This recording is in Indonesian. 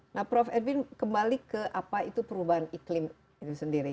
nah prof edwin kembali ke apa itu perubahan iklim itu sendiri